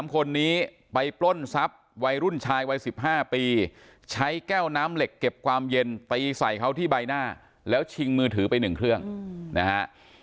๓คนนี้ไปปล้นทรัพย์วัยรุ่นชายวัย๑๕ปีใช้แก้วน้ำเหล็กเก็บความเย็นตีใส่เขาที่ใบหน้าแล้วชิงมือถือไป๑เครื่องนะฮะ